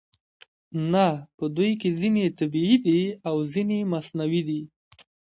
نه په دوی کې ځینې یې طبیعي دي او ځینې یې مصنوعي دي